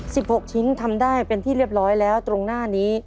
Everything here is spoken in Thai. หกชิ้นทำได้เป็นที่เรียบร้อยแล้วตรงหน้านี้